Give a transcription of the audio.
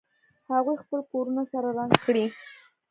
هغوی خپل کورونه سره رنګ کړي